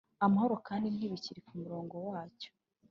amahoro! kandi ntibikiri kumurongo wacyo